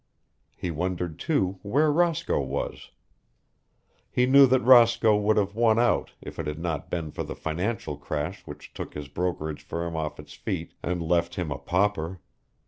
He wondered, too, where Roscoe was. He knew that Roscoe would have won out if it had not been for the financial crash which took his brokerage firm off its feet and left him a pauper.